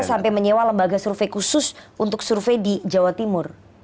sampai menyewa lembaga survei khusus untuk survei di jawa timur